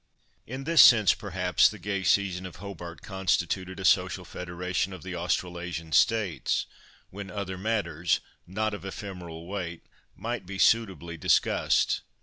In this sense, perhaps, the gay season of Hobart constituted a social federation of the Australasian States, when other matters, not of ephemeral weight, might be suitably discussed.